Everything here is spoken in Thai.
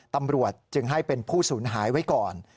ตำรวจจึงให้เป็นผู้สูญหายไว้ก่อน